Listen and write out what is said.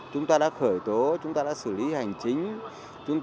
chúng ta đã khởi tố chúng ta đã xử lý hành chính